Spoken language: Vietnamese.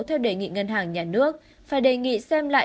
theo đề nghị ngân hàng nhà nước phải đề nghị xem lại